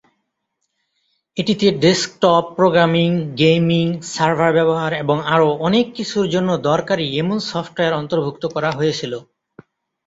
এটিতে desktop, programming, gaming, server ব্যবহার এবং আরও অনেক কিছুর জন্য দরকারী এমন সফটওয়্যার অন্তর্ভুক্ত করা হয়েছিল।